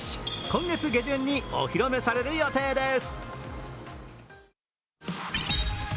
今月下旬にお披露目される予定です。